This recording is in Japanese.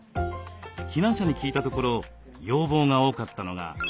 避難者に聞いたところ要望が多かったのが日本語の習得。